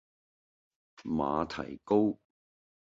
馬蹄糕